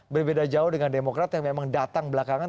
berbeda jauh dengan demokrat yang memang datang belakangan